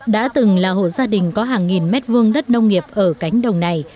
đã từng là hộ gia đình có hàng nghìn mét vuông đất nông nghiệp ở cánh đồng này